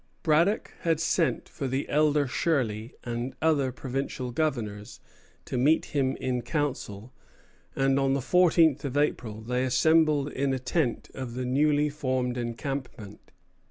Braddock had sent for the elder Shirley and other provincial governors to meet him in council; and on the fourteenth of April they assembled in a tent of the newly formed encampment.